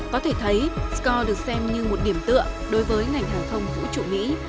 có thể thấy score được xem như một điểm tựa đối với ngành hàng không vũ trụ mỹ